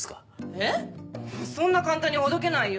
えっそんな簡単にほどけないよ。